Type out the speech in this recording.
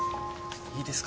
いいですか？